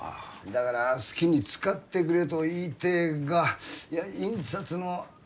だから好きに使ってくれと言いてえがいや印刷の空きが。